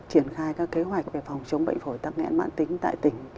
triển khai các kế hoạch về phòng chống bệnh phổi tắc nghẽn mạng tính tại tỉnh